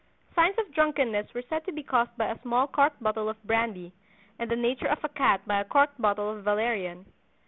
Signs of drunkenness were said to be caused by a small corked bottle of brandy, and the nature of a cat by a corked bottle of valerian.